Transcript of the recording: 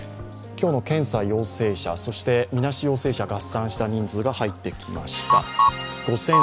今日の検査陽性者、みなし陽性者合算した人数が入ってきました。